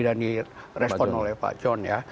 dan direspon oleh pak john ya